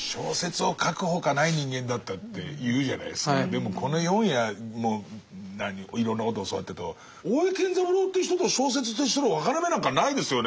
でもこの４夜いろんなことを教わってると大江健三郎って人と小説としての分かれ目なんかないですよねもうね。